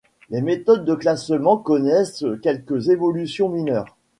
Les méthodes de classement connaissent quelques évolutions mineures.